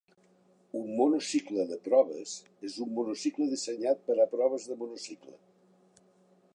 Un "monocicle de proves" és un monocicle dissenyat per a proves de monocicle.